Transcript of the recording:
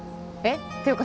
っていうか